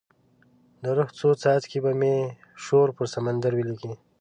د روح څو څاڅکي به مې شور پر سمندر ولیکې